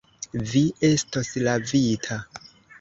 Vi estos lavita.